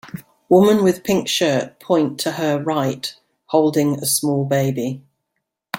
Woman with pink shirt point to her right holding a small baby